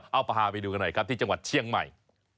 เอาพาไปดูกันหน่อยครับที่จังหวัดเชียงใหม่